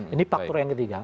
ini faktor yang ketiga